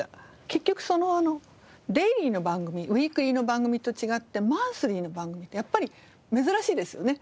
結局そのデイリーの番組ウィークリーの番組と違ってマンスリーの番組ってやっぱり珍しいですよね。